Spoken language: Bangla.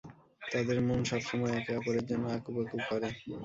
তাদের মন সব সময় একে অপরের জন্য আকুপাকু করে।